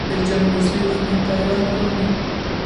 د ځنغوزي ونې پیوند غواړي؟